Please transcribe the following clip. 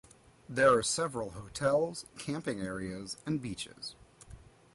There are several hotels, camping areas and beaches.